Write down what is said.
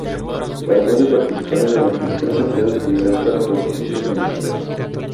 Además de participar en la nutrición se puede utilizar para propósitos medicinales.